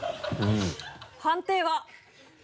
判定は？